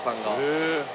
へえ。